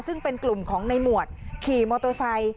ซึ่งเป็นกลุ่มของในหมวดขี่มอเตอร์ไซค์